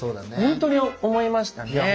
本当に思いましたね。